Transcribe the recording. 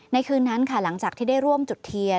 คืนนั้นค่ะหลังจากที่ได้ร่วมจุดเทียน